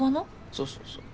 そうそうそう。